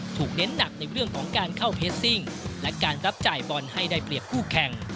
เน้นหนักในเรื่องของการเข้าเพสซิ่งและการรับจ่ายบอลให้ได้เปรียบคู่แข่ง